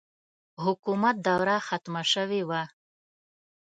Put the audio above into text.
حکومت دوره ختمه شوې وه.